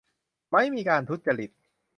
ไม่มีการทุจริต